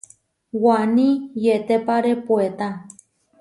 Waní yetépare puetá.